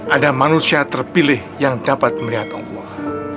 ada manusia terpilih yang dapat melihat allah